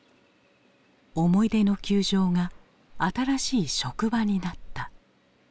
思い出の球場が新しい職場になった。